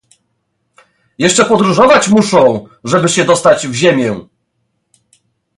"Jeszcze podróżować muszą, żeby się dostać w ziemię!"